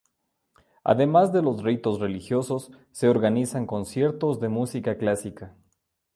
Además de los ritos religiosos se organizan conciertos de música clásica.